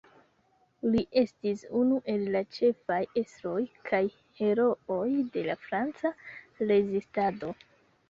Li estis unu el la ĉefaj estroj kaj herooj de la Franca rezistado.